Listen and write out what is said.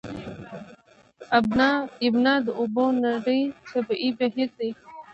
ابنا د اوبو نری طبیعي بهیر دی.